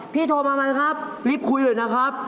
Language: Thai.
พี่โทรมาครับรีบคุยเลยนะครับ